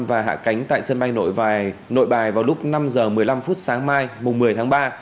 và hạ cánh tại sân bay nội bài vào lúc năm h một mươi năm sáng mai mùng một mươi tháng ba